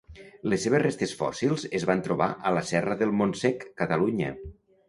Les seves restes fòssils es van trobar a la Serra del Montsec, Catalunya.